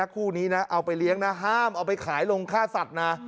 ผู้นี้เอาไปเลี้ยงห้ามเอาไปขายลงค่าสัตว์